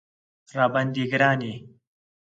راباندې ګران یې